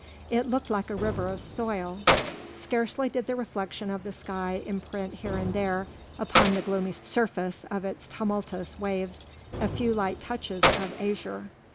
It looked like a river of soil; scarcely did the reflection of the sky imprint here and there upon the gloomy surface of its tumultuous waves a few light touches of azure.